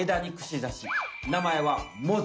名前は「モズ」！